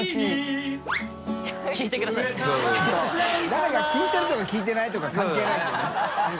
誰か聞いてるとか聞いてないとか関係ないんだよね。